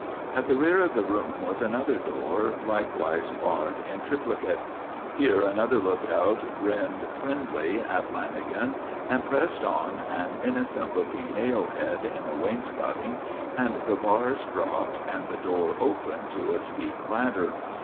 At the rear of the room was another door, likewise barred in triplicate. Here another lookout grinned friendly at Lanagan and pressed on an innocent appearing nail head in the wainscoting and the bars dropped and the door opened to a steep ladder.